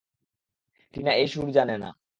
টিনা এই সুর জানে না।